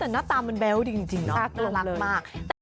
แต่หน้าตามันแบ๊วจริงเนาะน่ารักมาก